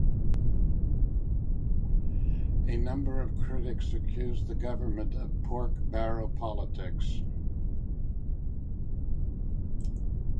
A number of critics accused the government of "pork barrel politics".